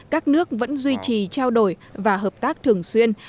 các nước vẫn duy trì trao đổi và hợp tác thường xuyên